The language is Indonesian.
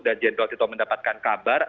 dan jenderal tito mendapatkan kabar